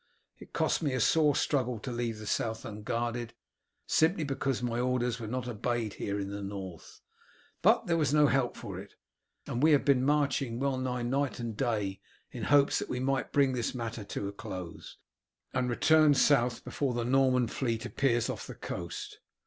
It cost me a sore struggle to leave the South unguarded simply because my orders were not obeyed here in the North. But there was no help for it, and we have been marching well nigh night and day in hopes that we might bring this matter to a close, and return south before the Norman fleet appears off the coast.